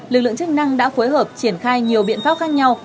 lực lượng chức năng đã phối hợp triển khai nhiều biện pháp khác nhau